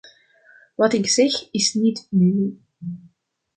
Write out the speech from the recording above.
Wat ik zeg, is niet nieuw.